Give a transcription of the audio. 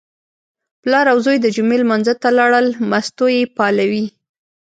پلار او زوی د جمعې لمانځه ته لاړل، مستو یې پالوې.